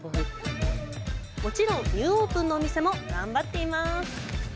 もちろんニューオープンのお店も頑張っています！